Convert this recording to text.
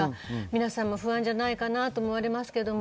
皆さんも不安じゃないかなと思います。